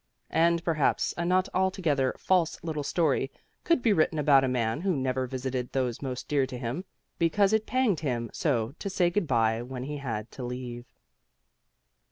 And perhaps a not altogether false little story could be written about a man who never visited those most dear to him, because it panged him so to say good bye when he had to leave.